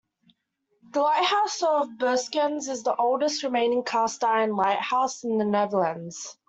The lighthouse of Breskens is the oldest remaining cast-iron lighthouse in the Netherlands.